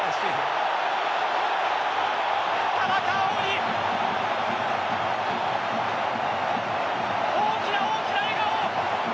田中碧に大きな大きな笑顔。